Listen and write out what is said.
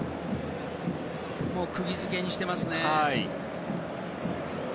くぎ付けにしてますね。